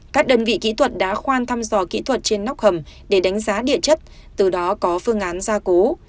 các đơn vị kỹ thuật đã khoan thăm dò kỹ thuật trên nóc hầm để đánh giá địa chất từ đó có phương án gia cố